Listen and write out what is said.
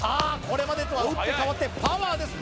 これまでとは打って変わってパワーです